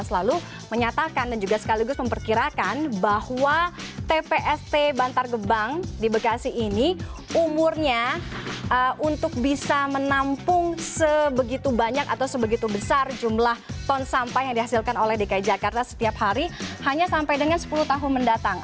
selalu menyatakan dan juga sekaligus memperkirakan bahwa tpst bantar gebang di bekasi ini umurnya untuk bisa menampung sebegitu banyak atau sebegitu besar jumlah ton sampah yang dihasilkan oleh dki jakarta setiap hari hanya sampai dengan sepuluh tahun mendatang